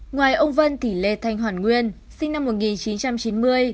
ngoài ông vân thì lê thanh hoàn nguyên sinh năm một nghìn chín trăm chín mươi